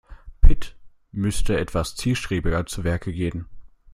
Pit müsste etwas zielstrebiger zu Werke gehen.